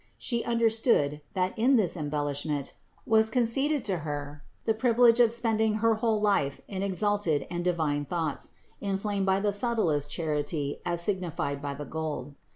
She understood, that in this em bellishment was conceded to Her the privilege of spending her whole life in exalted and divine thoughts, THE INCARNATION 73 inflamed by the subtlest charity as signified by the gold.